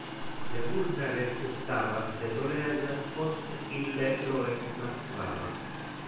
Le vulnere cessava de doler post ille lo emplastrava.